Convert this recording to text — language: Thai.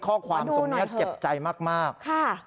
ข้อความตรงนี้เจ็บใจมากค่ะดูหน่อยเถอะ